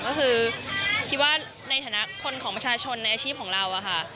ก็คือคิดว่าในฐานะคนของประชาชนในอาชีพของเราอะค่ะ